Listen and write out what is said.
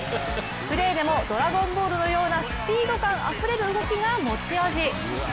プレーでも「ドラゴンボール」のようなスピード感あふれるプレーが持ち味。